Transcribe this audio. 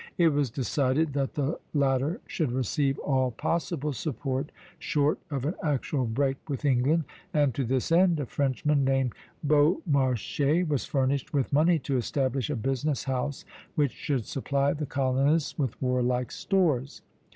It was decided that the latter should receive all possible support short of an actual break with England; and to this end a Frenchman named Beaumarchais was furnished with money to establish a business house which should supply the colonists with warlike stores.